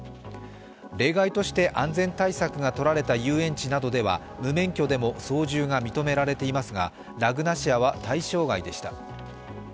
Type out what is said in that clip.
例外として安全対策がとられた遊園地などでは無免許でも操縦が認められていますが、ラグナシアは対象外でした。